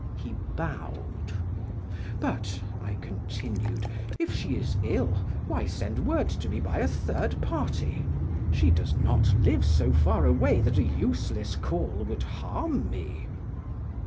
He bowed. "But," I continued, "if she is ill, why send word to me by a third party? She does not live so far away that a useless call would harm me."